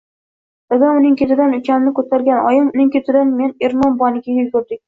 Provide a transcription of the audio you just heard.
Dadam, uning ketidan ukamni ko‘targan oyim, uning ketidan men Ermon buvanikiga yugurdik.